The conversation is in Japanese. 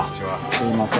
すいません。